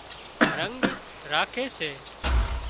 رنڳ راکي سي